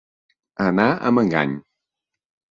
Anar amb engany.